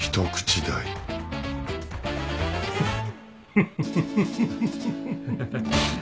フフフフ。